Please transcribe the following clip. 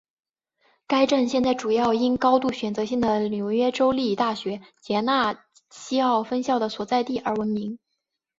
该镇现在主要因高度选择性的纽约州立大学杰纳西奥分校的所在地而闻名。